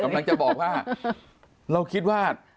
กำลังจะบอกว่าเราคิดว่า